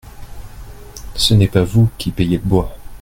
Ce n’est pas vous qui payez le bois.